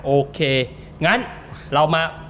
โอเคงั้นเรามา